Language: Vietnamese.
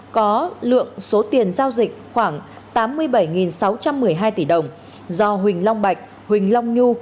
có lượng số tiền giao dịch khoảng tám mươi bảy sáu trăm một mươi hai tỷ đồng do huỳnh long bạch huỳnh long nhu